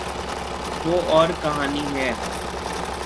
وہ اورکہانی ہے۔